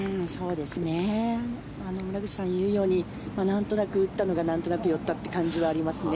村口さんが言うようになんとなく打ったのがなんとなく寄ったという感じがありますね。